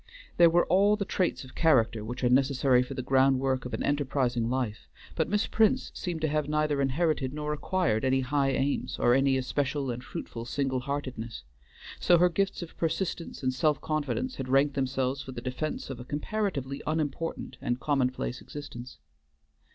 There were all the traits of character which are necessary for the groundwork of an enterprising life, but Miss Prince seemed to have neither inherited nor acquired any high aims or any especial and fruitful single heartedness, so her gifts of persistence and self confidence had ranked themselves for the defense of a comparatively unimportant and commonplace existence.